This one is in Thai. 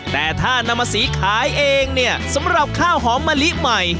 แต่ถ้านำมาสีขายเองเนี่ยสำหรับข้าวหอมมะลิใหม่